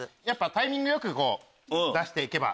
タイミング良く出していけば。